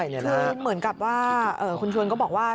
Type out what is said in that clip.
คือเหมือนกับว่าคุณชวนก็บอกว่า